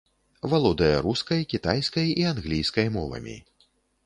Валодае рускай, кітайскай і англійскай мовамі.